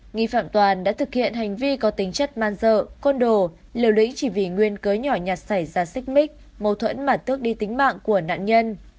nghi phạm toàn đã thực hiện hành vi có tính chất man dợ con đồ lưu lĩnh chỉ vì nguyên cớ nhỏ nhạt xảy ra xích mít mâu thuẫn mặt tước đi tính mạng của nạn nhân